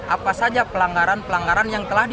apa saja pelanggaran pelanggaran yang terjadi